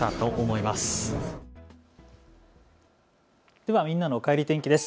ではみんなのおかえり天気です。